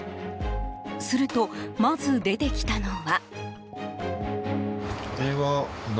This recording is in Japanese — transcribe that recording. すると、まず出てきたのは。